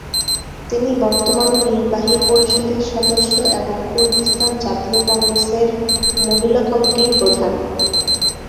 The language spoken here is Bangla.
তিনি বর্তমানে নির্বাহী পরিষদের সদস্য এবং কুর্দিস্তান জাতীয় কংগ্রেসে মহিলা কমিটির প্রধান।